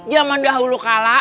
zaman dahulu kala